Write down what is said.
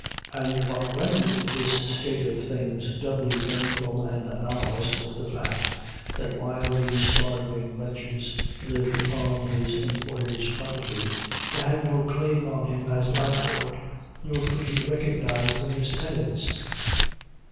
And what rendered this state of things doubly painful and anomalous was the fact, that while these starving wretches lived upon his employer's property, they had no claim on him as a landlord, nor could he recognize them as tenants.